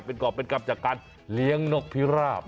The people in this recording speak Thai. เป็นกรอบเป็นกรรมจากการเลี้ยงนกพิราบ